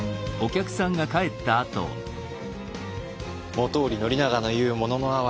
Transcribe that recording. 本居宣長の言う「もののあはれ」。